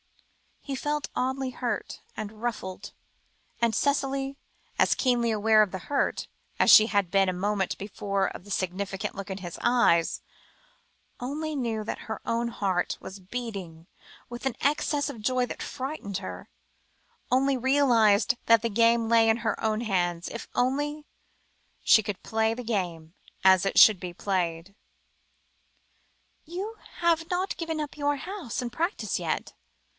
He felt oddly hurt and ruffled, and Cicely, as keenly aware of the hurt, as she had been a moment before of the significant look in his eyes, only knew that her own heart was beating with an excess of joy that frightened her only realised that the game lay in her own small hands, if only she could play the game as it should be played. "You have not given up your house and practice yet?"